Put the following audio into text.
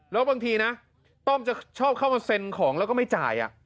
แล้วบางทีนะต้อมจะชอบเข้ามาเซ็นของแล้วก็ไม่จ่าย